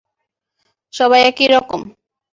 সবাই একই রকম।